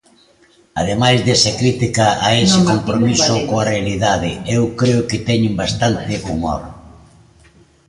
Ademais desa crítica e ese compromiso coa realidade, eu creo que teñen bastante humor.